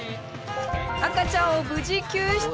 赤ちゃんを無事救出。